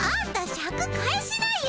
シャク返しなよ。